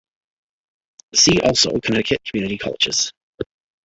"See also Connecticut Community Colleges"